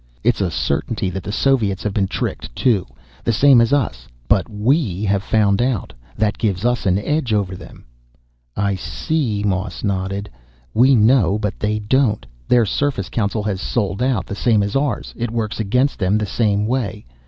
"It's a certainty that the Soviets have been tricked, too, the same as us. But we have found out. That gives us an edge over them." "I see." Moss nodded. "We know, but they don't. Their Surface Council has sold out, the same as ours. It works against them the same way.